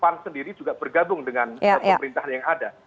pan sendiri juga bergabung dengan pemerintahan yang ada